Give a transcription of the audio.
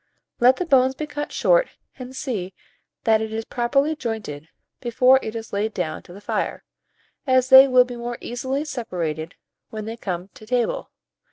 Let the bones be cut short and see that it is properly jointed before it is laid down to the fire, as they will be more easily separated when they come to table.